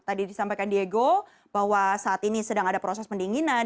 tadi disampaikan diego bahwa saat ini sedang ada proses pendinginan